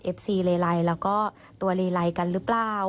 เอฟซีเรไรแล้วก็ตัวเรไรกันหรือเปล่า